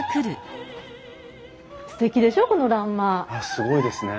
すごいですね。